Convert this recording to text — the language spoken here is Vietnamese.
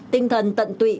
tinh thần tận tụy